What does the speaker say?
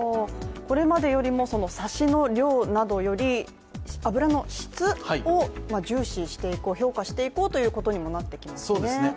これまでよりもサシの量などより油の質を重視していこう、評価していこうということになってきたんですね。